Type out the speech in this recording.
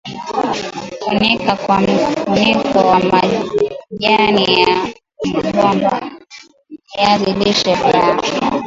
funika kwa mfuniko au majani ya mgomba viazi lishe vyako